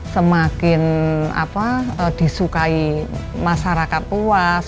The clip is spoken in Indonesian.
semakin disukai masyarakat luas